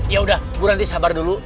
yaudah gue nanti sabar dulu